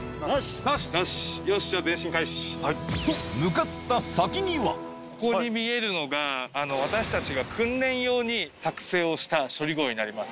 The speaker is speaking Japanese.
と向かった先にはここに見えるのが私たちが訓練用に作製をした処理壕になります。